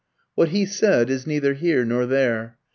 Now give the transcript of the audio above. What he said is neither here nor there.